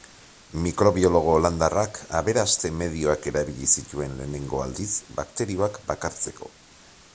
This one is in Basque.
Mikrobiologo holandarrak aberaste-medioak erabili zituen lehenengo aldiz bakterioak bakartzeko.